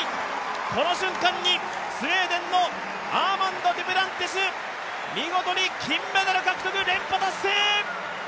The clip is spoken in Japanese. この瞬間にスウェーデンのアーマンド・デュプランティス見事に金メダル獲得、連覇達成。